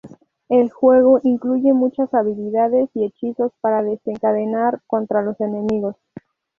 El juego incluye muchas habilidades y hechizos que desencadenar contra los enemigos.